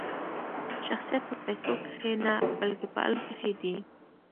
شخصیت په پیسو کښي نه؛ بلکي په علم کښي دئ.